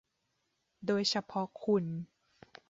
โดยเฉพาะคุณ